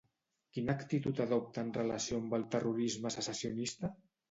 Quina actitud adopta en relació amb el terrorisme secessionista?